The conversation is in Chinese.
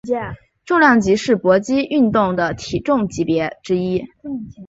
重量级是搏击运动的体重级别之一。